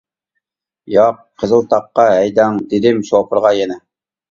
— ياق، قىزىلتاغقا ھەيدەڭ، — دېدىم شوپۇرغا يەنە.